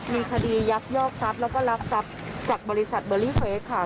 มีคดียักยอกทรัพย์แล้วก็รักทรัพย์จากบริษัทเบอร์รี่เฟสค่ะ